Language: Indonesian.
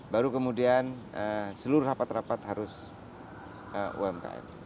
baru kemudian seluruh rapat rapat harus umkm